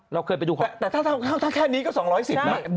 เราเคยไปดูของจริงมาแล้วแต่ถ้าแค่นี้ก็๒๑๐ตารางเมตรนะ